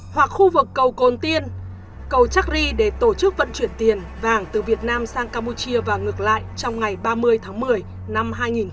hoặc khu vực cầu tiên cầu chắc ri để tổ chức vận chuyển tiền vàng từ việt nam sang campuchia và ngược lại trong ngày ba mươi tháng một mươi năm hai nghìn một mươi chín